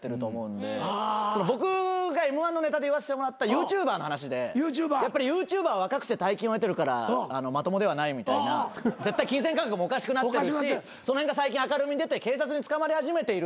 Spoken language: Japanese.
僕がＭ−１のネタで言わせてもらったＹｏｕＴｕｂｅｒの話でやっぱりＹｏｕＴｕｂｅｒは若くして大金を得てるからまともではないみたいな絶対金銭感覚もおかしくなってるしその辺が最近明るみに出て警察に捕まり始めているみたいな。